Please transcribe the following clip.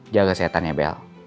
jaga sehatan ya bel